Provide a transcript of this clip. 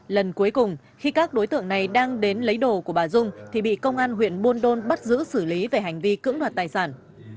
lần cuối cùng khi các đối tượng này đang đến lấy đồ của bà dung thì bị công an huyện buôn đôn bắt giữ xử lý về hành vi cưỡng đoạt tài sản